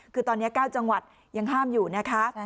คือตอนนี้๙จังหวัดยังห้ามอยู่นะคะ